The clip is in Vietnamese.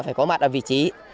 phải có mặt ở vị trí